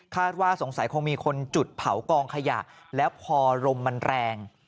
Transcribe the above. ว่าสงสัยคงมีคนจุดเผากองขยะแล้วพอลมมันแรง